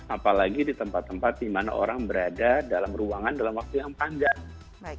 apalagi di tempat tempat di mana orang berada dalam ruangan dalam waktu yang panjang